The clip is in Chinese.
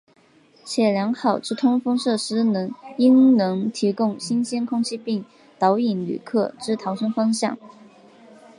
且良好之通风设施应能提供新鲜空气并导引旅客之逃生方向。